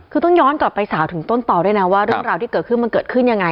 คือต้องย้อนกลับไปสาวถึงต้นต่อด้วยนะว่าเรื่องราวที่เกิดขึ้นมันเกิดขึ้นยังไง